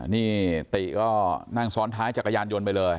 นี่ติก็นั่งซ้อนท้ายจักรยานยนต์ไปเลย